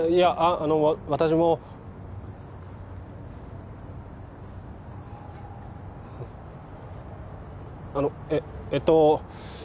あの私もあのえっえっと